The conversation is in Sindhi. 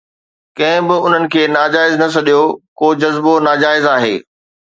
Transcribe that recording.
ڪنهن به انهن کي ناجائز نه سڏيو، ڪو جذبو ناجائز آهي.